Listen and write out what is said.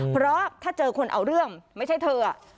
เพราะถ้าเจอคนเอาเรื่องไม่ใช่เธอ